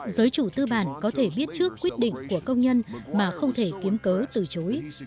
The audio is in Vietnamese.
giới chủ tư bản có thể biết trước quyết định của công nhân mà không thể kiếm cớ từ chối